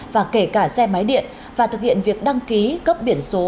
và kể cả xe máy điện và thực hiện việc đăng ký cấp biển số